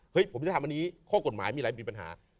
ผมจะทำอันนี้ข้อกฎหมายมีอะไรมีปัญหา